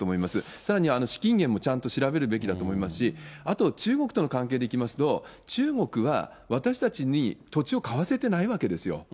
さらに資金源もちゃんと調べるべきだと思いますし、あと、中国との関係でいきますと、中国は私たちに土地を買わせてないわけですよ。